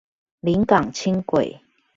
臨港輕軌